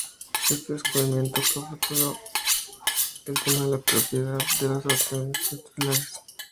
Este descubrimiento catapultó el tema de la propiedad de los terratenientes en los titulares.